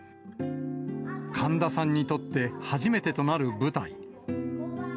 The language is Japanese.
神田さんにとって、初めてとなる舞台。